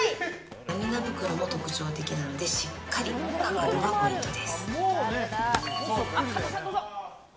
涙袋も特徴的なのでしっかり描くのがポイントです。